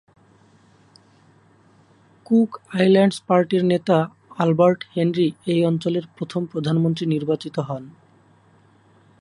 Cook Islands পার্টির নেতা Albert Henry এই অঞ্চলের প্রথম প্রধানমন্ত্রী নির্বাচিত হন।